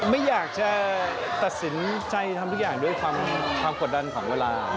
ไม่อยากจะตัดสินใจทำทุกอย่างด้วยความกดดันของเวลา